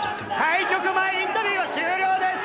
対局前インタビューは終了です！